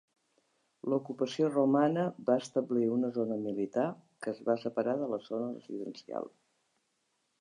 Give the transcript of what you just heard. L'ocupació romana va establir una zona militar que es va separar de la zona residencial.